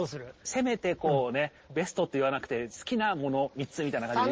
せめてこうねベストって言わなくて好きなもの３つみたいな感じで。